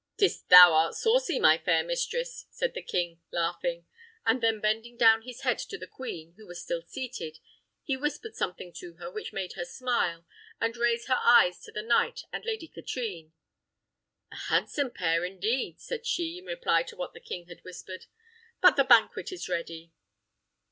"'Tis thou art saucy, my fair mistress," said the king, laughing; and then bending down his head to the queen, who was still seated, he whispered something to her which made her smile and raise her eyes to the knight and Lady Katrine. "A handsome pair, indeed!" said she, in reply to what the king had whispered. "But the banquet is ready."